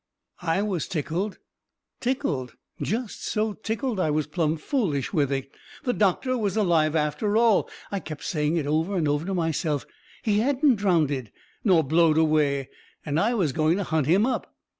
I was tickled. Tickled? Jest so tickled I was plumb foolish with it. The doctor was alive after all I kept saying it over and over to myself he hadn't drownded nor blowed away. And I was going to hunt him up.